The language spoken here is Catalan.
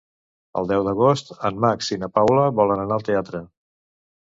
El deu d'agost en Max i na Paula volen anar al teatre.